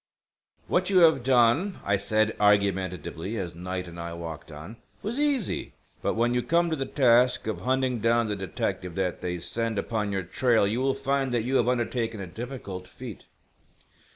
"What you have done," I said, argumentatively, as Knight and I walked on, "was easy. But when you come to the task of hunting down the detective that they send upon your trail you will find that you have undertaken a difficult feat."